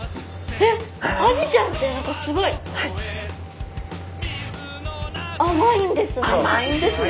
えっアジちゃんって何かすごいあまいんですね。